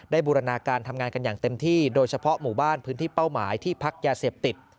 บูรณาการทำงานกันอย่างเต็มที่โดยเฉพาะหมู่บ้านพื้นที่เป้าหมายที่พักยาเสพติด